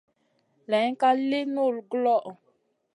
Layn ka li nullu guloʼo.